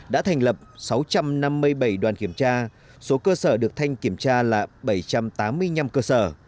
đã thành lập sáu trăm năm mươi bảy đoàn kiểm tra số cơ sở được thanh kiểm tra là bảy trăm tám mươi năm cơ sở